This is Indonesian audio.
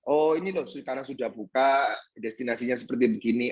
oh ini loh karena sudah buka destinasi seperti ini